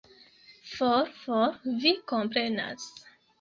For, for, vi komprenas.